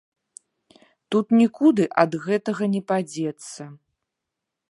Тут нікуды ад гэтага не падзецца.